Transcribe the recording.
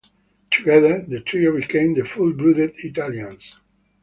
Together, the trio became The Full Blooded Italians.